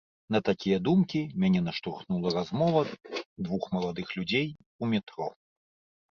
На такія думкі мяне наштурхнула размова двух маладых людзей у метро.